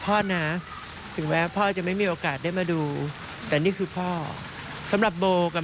พ่อนะถึงแม้พ่อจะไม่มีโอกาสได้มาดูแต่นี่คือพ่อสำหรับโบกับ